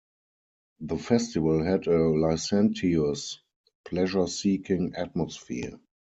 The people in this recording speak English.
The festival had a licentious, pleasure-seeking atmosphere.